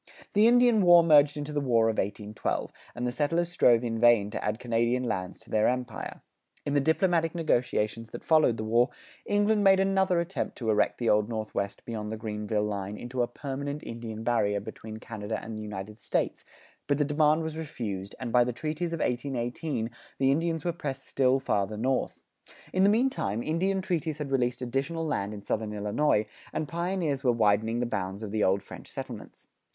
The Indian war merged into the War of 1812, and the settlers strove in vain to add Canadian lands to their empire. In the diplomatic negotiations that followed the war, England made another attempt to erect the Old Northwest beyond the Greenville line into a permanent Indian barrier between Canada and the United States; but the demand was refused, and by the treaties of 1818, the Indians were pressed still farther north. In the meantime, Indian treaties had released additional land in southern Illinois, and pioneers were widening the bounds of the old French settlements.